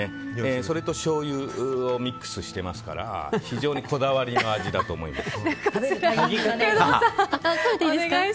それとしょうゆをミックスしてますから非常にこだわりの味だと思います。